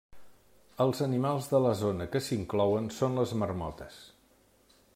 Els animals de la zona que s'inclouen són les marmotes.